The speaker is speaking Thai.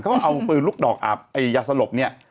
เอาปืนลูกดอกอาบไอ้ยาสลบเนี่ย